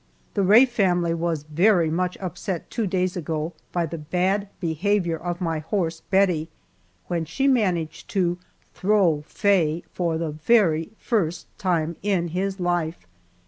The Rae family was very much upset two days ago by the bad behavior of my horse Bettie, when she managed to throw Faye for the very first time in his life!